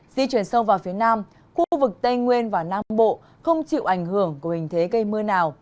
di chuyển sâu vào phía nam khu vực tây nguyên và nam bộ không chịu ảnh hưởng của hình thế gây mưa nào